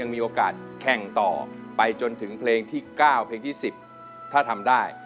มีโอกาสแข่งต่อไปจนถึงเพลงที่๙เพลงที่๑๐ถ้าทำได้